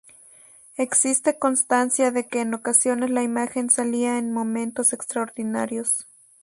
Existe constancia de que en ocasiones la imagen salía en momentos extraordinarios.